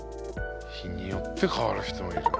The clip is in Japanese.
日によって変わる人もいる。